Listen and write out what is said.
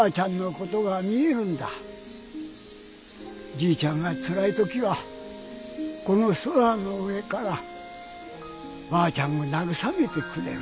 じいちゃんがつらい時はこのソラの上からばあちゃんがなぐさめてくれる。